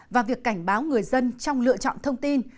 và việc cảnh báo người dân trong lựa chọn thông tin